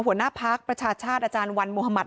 หัวหน้าพักประชาชาติอาจารย์วันมุธมัติ